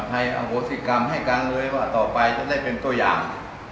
ให้อโหสิกรรมให้กันเลยว่าต่อไปจะได้เป็นตัวอย่าง